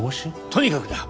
とにかくだ。